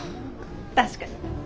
確かに。